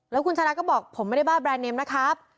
แล้วคุณชาดาก็บอกผมไม่ได้บ้าแรนดเนมนะครับ